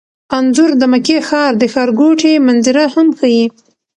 انځور د مکې ښار د ښارګوټي منظره هم ښيي.